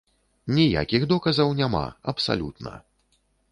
Ніякіх доказаў няма, абсалютна.